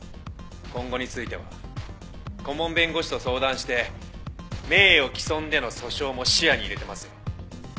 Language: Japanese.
今後については顧問弁護士と相談して名誉毀損での訴訟も視野に入れてますよ。